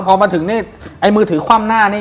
พอมาถึงนี่ไอ้มือถือคว่ำหน้านี่